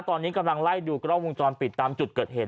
ตอนนี้กำลังไล่ดูกล้องวงจรปิดตามจุดเกิดเหตุ